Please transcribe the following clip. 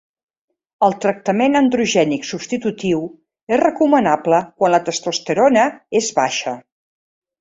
El tractament androgènic substitutiu és recomanable quan la testosterona és baixa.